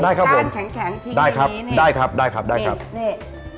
กล้านแข็งแข็งทิ้งอย่างนี้ได้ครับได้ครับได้ครับได้ครับนี่นี่